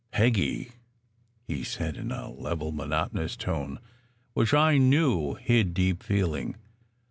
"Peggy!" he said in a level, monotonous tone which I knew hid deep feeling.